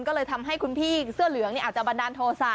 ก็เลยทำให้คุณพี่เสื้อเหลืองอาจจะบันดาลโทษะ